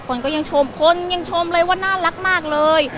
คนก็ยังชมคนยังชมเลยว่าน่ารักมากเลย